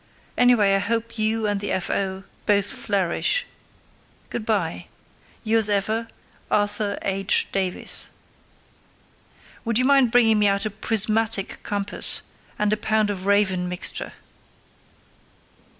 Anyway, I hope you and the F.O. both flourish. Good bye. Yours ever, Arthur H. Davies. Would you mind bringing me out a prismatic compass, and a pound of Raven mixture?